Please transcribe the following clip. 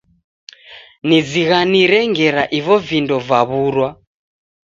Nizighanire ngera ivo vindo vaw'urwa.